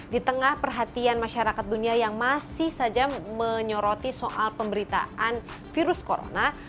di tengah perhatian masyarakat dunia yang masih saja menyoroti soal pemberitaan virus corona